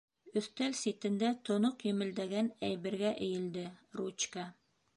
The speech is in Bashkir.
Өҫтәл ситендә тоноҡ емелдәгән әйбергә эйелде: ручка.